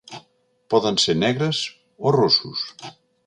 Poden ser negres o rossos.